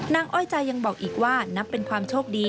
อ้อยใจยังบอกอีกว่านับเป็นความโชคดี